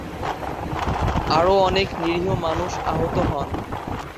আরো অনেক নিরীহ মানুষ আহত হন।